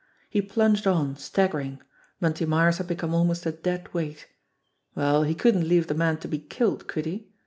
He plunged on, staggering. Bunty Myers had become almost a dead weight. Well, he couldn't leave the man to be killed, could he?